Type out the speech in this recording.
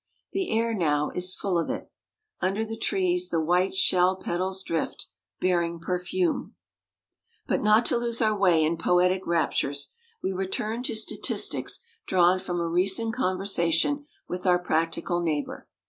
The air, now, is full of it. Under the trees the white shell petals drift, bearing perfume. But, not to lose our way in poetic raptures, we return to statistics drawn from a recent conversation with our practical neighbor.